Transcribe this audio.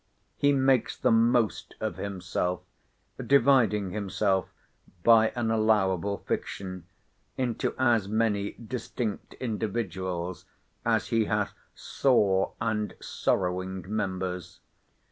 He makes the most of himself; dividing himself, by an allowable fiction, into as many distinct individuals, as he hath sore and sorrowing members.